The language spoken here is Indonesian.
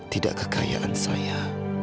tidak kekayaan saya